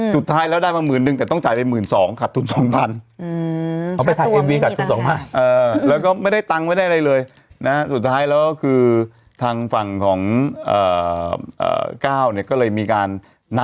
สุดท้ายแล้วได้มาแบบหมื่นหนึ่งแต่ต้องจ่ายไปหมื่นสองกัดทุนสองพัน